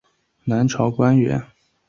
南朝官员。